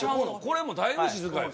これもだいぶ静かやで？